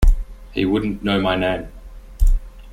He wouldn't know my name.